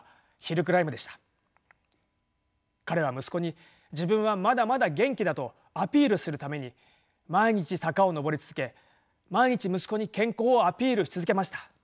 彼は息子に自分はまだまだ元気だとアピールするために毎日坂を上り続け毎日息子に健康をアピールし続けました。